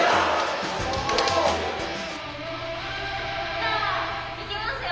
じゃあいきますよ。